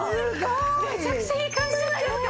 めちゃくちゃいい感じじゃないですか！